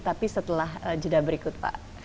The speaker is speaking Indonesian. tapi setelah jeda berikut pak